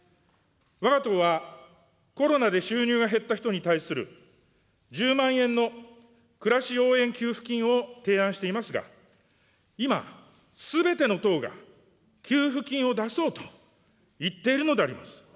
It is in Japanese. わが党はコロナで収入が減った人に対する、１０万円のくらし応援給付金を提案していますが、今、すべての党が給付金を出そうと言っているのであります。